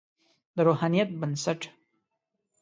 د روحانیت بنسټ.